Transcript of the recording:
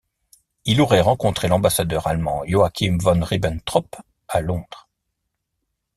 Il aurait rencontré l'ambassadeur allemand Joachim von Ribbentrop à Londres.